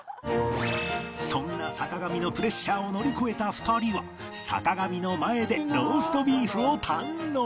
そんな坂上のプレッシャーを乗り越えた２人は坂上の前でローストビーフを堪能